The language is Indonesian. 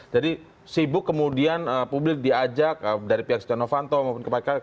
jadi sibuk kemudian publik diajak dari pihak setia novanto maupun kepala kesehatan